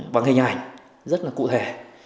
bằng hình ảnh rất là cụ thể